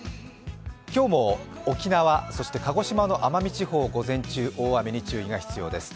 今日も沖縄、そして鹿児島の奄美地方は午前中、大雨に注意が必要です。